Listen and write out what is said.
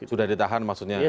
sudah ditahan maksudnya